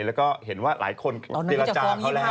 แล้วก็เห็นว่าหลายคนเจรจาเขาแล้ว